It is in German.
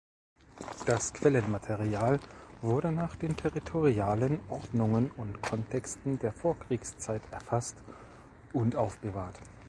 Das Quellenmaterial wurde nach den territorialen Ordnungen und Kontexten der Vorkriegszeit erfasst und aufbewahrt.